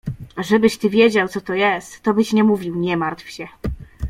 — A żebyś ty wiedział, co to jest, to byś nie mówił „nie martw się”.